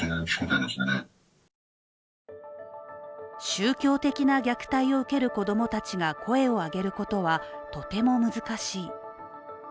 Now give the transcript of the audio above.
宗教的な虐待を受ける子供たちが声を上げることは、とても難しい。